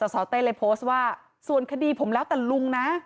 สสเต้เลยโพสต์ว่าส่วนคดีผมแล้วแต่ลุงนะ